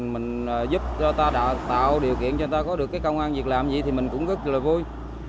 mình giúp cho ta tạo điều kiện cho ta có được cái công an việc làm gì thì mình cũng rất là vui